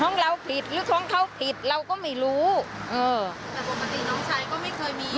ของเราผิดหรือท้องเขาผิดเราก็ไม่รู้เออแต่ปกติน้องชายก็ไม่เคยมี